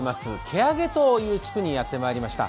蹴上という地区にやってまいりました。